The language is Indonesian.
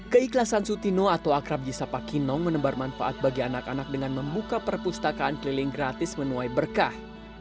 keikhlasan sutino atau akrab di sapa kinong menembar manfaat bagi anak anak dengan membuka perpustakaan keliling gratis menuai berkah